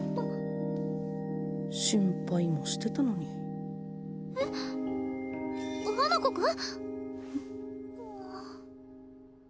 心配もしてたのにえっ花子くん？